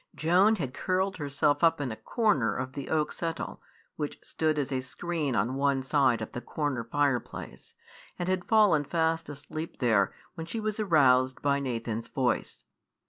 Joan had curled herself up in a corner of the oak settle, which stood as a screen on one side of the corner fireplace, and had fallen fast asleep there, when she was aroused by Nathan's voice.